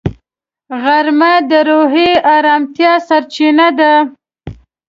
غرمه د روحي ارامتیا سرچینه ده